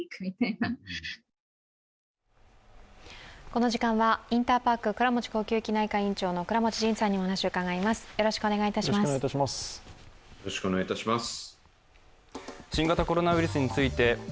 この時間はインターパーク倉持呼吸器内科院長の倉持仁さんにお話を伺います。